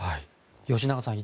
吉永さん